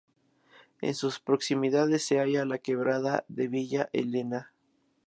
En sus proximidades se halla la Quebrada de Villa Elena.